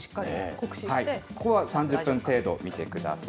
ここは３０分程度見てください。